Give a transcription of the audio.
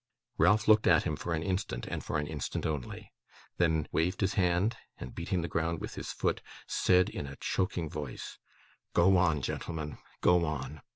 Ralph looked at him for an instant, and for an instant only; then, waved his hand, and beating the ground with his foot, said in a choking voice: 'Go on, gentlemen, go on!